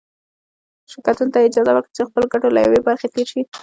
شرکتونو ته یې اجازه ورکړه چې د خپلو ګټو له یوې برخې تېر شي.